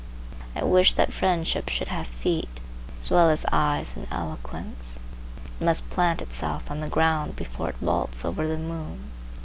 I wish that friendship should have feet, as well as eyes and eloquence. It must plant itself on the ground, before it vaults over the moon.